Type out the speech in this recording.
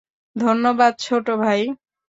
ধন্যবাদ, ছোটো ভাই।